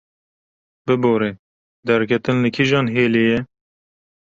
Bibore, derketin li kîjan hêlê ye?